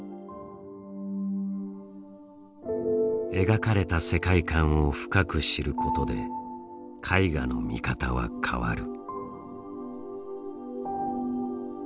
描かれた世界観を深く知ることで絵画の見方は変わる。